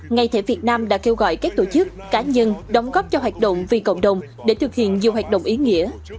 ngày thể việt nam đã kêu gọi các tổ chức cá nhân đóng góp cho hoạt động vì cộng đồng để thực hiện nhiều hoạt động ý nghĩa